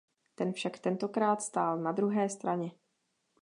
Ten však tentokrát stál na druhé straně.